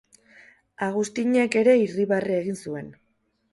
Agustinek ere irribarre egin zuen.